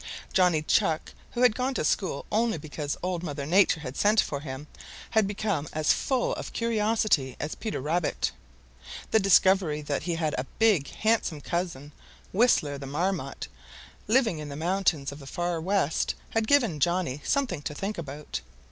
Johnny Chuck, who had gone to school only because Old Mother Nature had sent for him, had become as full of curiosity as Peter Rabbit. The discovery that he had a big, handsome cousin, Whistler the Marmot, living in the mountains of the Far West, had given Johnny something to think about.